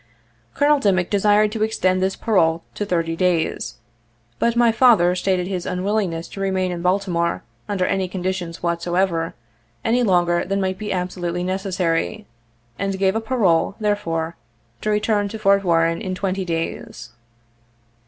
Colonel Dimick desired to extend this parole to thirty days ; but my father stated his unwillingness to remain in Baltimore, under any conditions whatsoever, any longer than might be absolutely necessary, and gave a parole, therefore, to return to Fort Warren in twenty days.